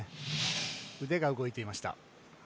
腕が動いていました。